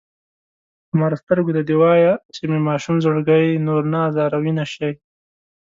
خمارو سترګو ته دې وايه چې مې ماشوم زړګی نور نه ازاروينه شي